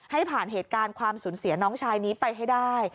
ให้ผ่านเหตุการณ์ความสูญเสียน้องชายนี้ไปให้ได้